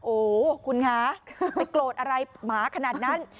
โอ้โหคุณคะไม่โกรธอะไรหมาขนาดนั้น